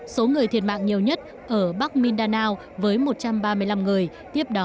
số người thiệt mạng nhiều nhất ở bắc mindanao với một trăm ba mươi năm người